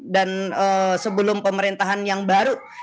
dan sebelum pemerintahan yang baru